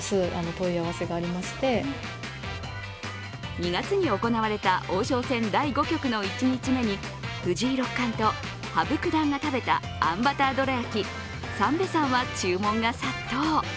２月に行われた王将戦第５局の１日目に藤井六冠と羽生九段が食べたあんバターどら焼き、さんべ山は注文が殺到。